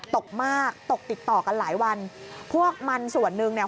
ตกมากตกติดต่อกันหลายวันพวกมันส่วนหนึ่งเนี่ย